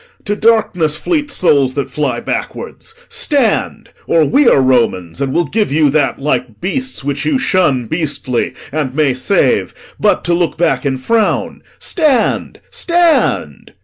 To darkness fleet souls that fly backwards! Stand; Or we are Romans and will give you that, Like beasts, which you shun beastly, and may save But to look back in frown. Stand, stand!'